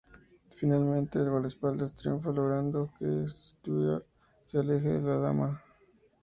Finalmente, el guardaespaldas triunfa logrando que Stewart se aleje de la dama.